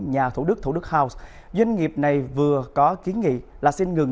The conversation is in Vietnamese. nhà thủ đức thủ đức house doanh nghiệp này vừa có kiến nghị là xin ngừng